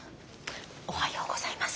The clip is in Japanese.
おはようございます。